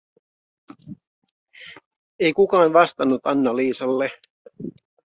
Ei kukaan vastannut Anna Liisalle.